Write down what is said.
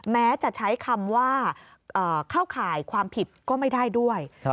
แม้จะใช้คำว่าเข้าข่ายความผิดก็ไม่ได้ด้วย